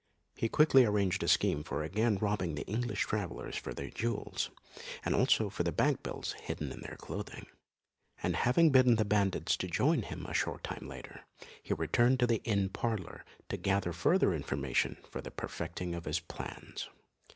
He quickly arranged a scheme for again robbing the English travellers of their jewels, and also of the bank bills hidden in their clothing; and having bidden the bandits to join him a short time later, he returned to the inn parlour to gather further information for the perfecting of his plans.